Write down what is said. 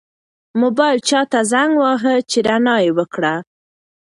موبایل چا ته زنګ واهه چې رڼا یې وکړه؟